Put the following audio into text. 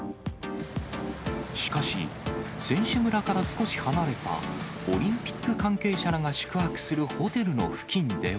しかし、選手村から少し離れた、オリンピック関係者らが宿泊するホテルの付近では。